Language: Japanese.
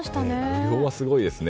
無料はすごいですね。